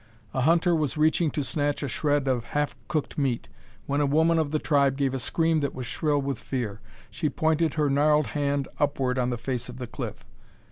A hunter was reaching to snatch a shred of half cooked meat when a woman of the tribe gave a scream that was shrill with fear. She pointed her gnarled hand upward on the face of the cliff.